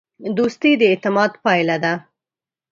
دوستي د اعتماد پایله ده.